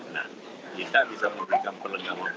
nah kita bisa memberikan pelengkapan